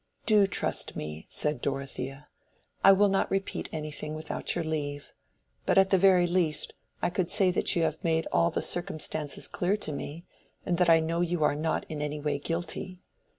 "Do trust me," said Dorothea; "I will not repeat anything without your leave. But at the very least, I could say that you have made all the circumstances clear to me, and that I know you are not in any way guilty.